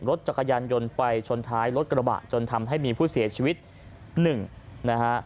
รถจักรยานยนต์ไปชนท้ายรถกระบะจนทำให้มีผู้เสียชีวิตหนึ่งนะฮะ